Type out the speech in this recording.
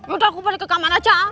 udah aku balik ke kamar aja